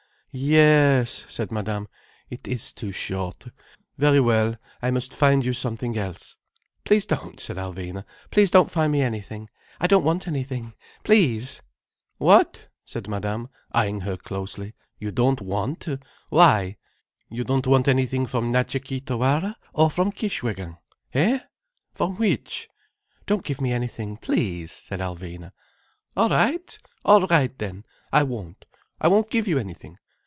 "Yes," said Madame. "It is too short. Very well. I must find you something else." "Please don't," said Alvina. "Please don't find me anything. I don't want anything. Please!" "What?" said Madame, eyeing her closely. "You don't want? Why? You don't want anything from Natcha Kee Tawara, or from Kishwégin? Hé? From which?" "Don't give me anything, please," said Alvina. "All right! All right then. I won't. I won't give you anything.